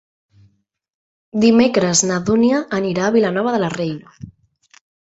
Dimecres na Dúnia anirà a Vilanova de la Reina.